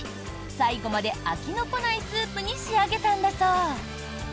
最後まで飽きのこないスープに仕上げたんだそう。